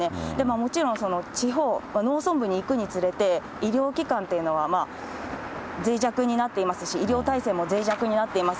もちろん地方、農村部に行くにつれて、医療機関というのはぜい弱になっていますし、医療体制もぜい弱になっています。